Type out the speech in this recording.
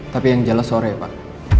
tapi yang jelas sore pak